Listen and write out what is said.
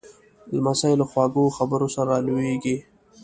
لمسی له خواږه خبرو سره را لویېږي.